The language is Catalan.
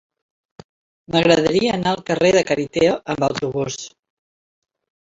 M'agradaria anar al carrer de Cariteo amb autobús.